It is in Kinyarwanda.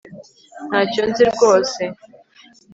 Ntacyo nzi rwose